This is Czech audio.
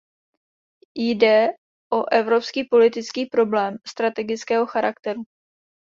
Jde o evropský politický problém strategického charakteru.